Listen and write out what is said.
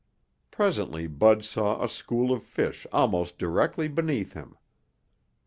Presently Bud saw a school of fish almost directly beneath him.